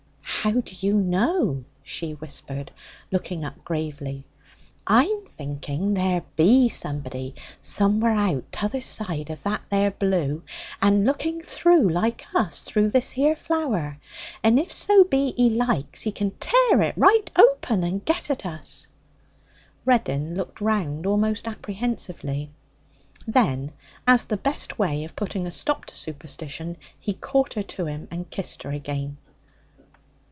'How do you know?' she whispered, looking up gravely. 'I'm thinking there be somebody somewhere out t'other side of that there blue, and looking through like us through this here flower. And if so be he likes he can tear it right open, and get at us.' Reddin looked round almost apprehensively. Then, as the best way of putting a stop to superstition, he caught her to him and kissed her again.